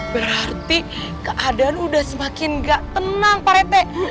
berarti keadaan udah semakin gak tenang pak retek